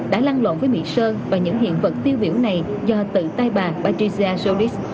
đã lăn lộn với mỹ sơn và những hiện vật tiêu biểu này do tự tai bà patricia solis